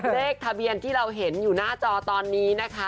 เลขทะเบียนที่เราเห็นอยู่หน้าจอตอนนี้นะคะ